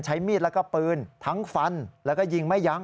ใช้มีดแล้วก็ปืนทั้งฟันแล้วก็ยิงไม่ยั้ง